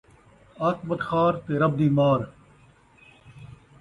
عاقبت خوار تے رب دی مار